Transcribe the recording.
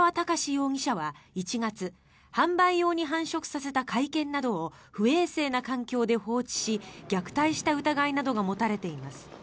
容疑者は１月販売用に繁殖させた甲斐犬などを不衛生な環境で放置し虐待した疑いなどが持たれています。